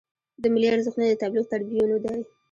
د ملي ارزښتونو د تبلیغ تربیون دی.